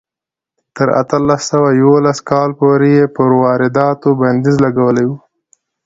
تر اتلس سوه یوولس کاله پورې یې پر وارداتو بندیز لګولی و.